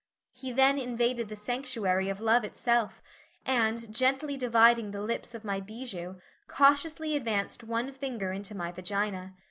He then invaded the sanctuary of love itself, and gently dividing the lips of my bijou, cautiously advanced one finger into my vagina.